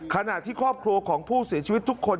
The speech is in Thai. ขณะที่ครอบครัวของผู้เสียชีวิตทุกคน